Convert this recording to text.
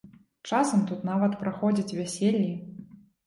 Часам тут нават праходзяць вяселлі.